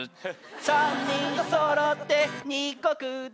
３人そろってにこく堂